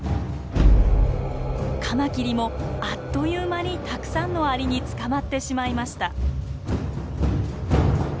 カマキリもあっという間にたくさんのアリに捕まってしまいました。